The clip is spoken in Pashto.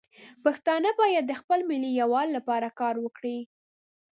پښتانه باید د خپل ملي یووالي لپاره کار وکړي.